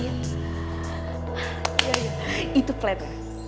ya ya itu pleb